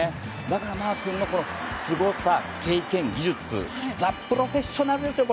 だから、マー君のすごさ、経験、技術ザ・プロフェッショナルですよ